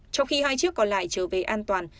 trong khi hai chiếc còn lại trở về an toàn